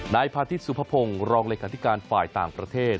นายพาทิตสุภพงศ์รองเลขาธิการฝ่ายต่างประเทศ